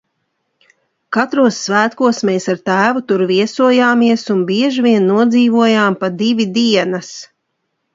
Katros svētkos mēs ar tēvu tur viesojāmies un bieži vien nodzīvojām pa divi dienas.